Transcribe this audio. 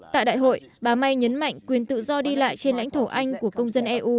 tại đại hội bà may nhấn mạnh quyền tự do đi lại trên lãnh thổ anh của công dân eu